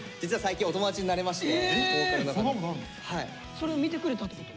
それを見てくれたってこと？